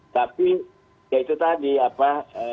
tapi itu tadi apa